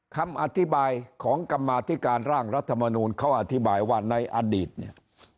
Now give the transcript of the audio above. คำอธิบายของกรรมาธิการร่างรัฐมนูลเขาอธิบายว่าในอดีตเนี่ย